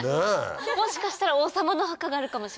もしかしたら王様の墓があるかもしれない。